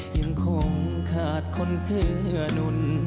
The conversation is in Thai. ยังคงขาดคนเอื้อนุน